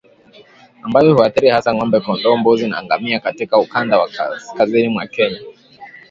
ambayo huathiri hasa ng'ombe kondoo mbuzi na ngamia katika ukanda wa kaskazini mwa Kenya